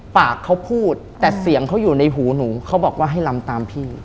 ปากเขาพูดแต่เสียงเขาอยู่ในหูหนูเขาบอกว่าให้ลำตามพี่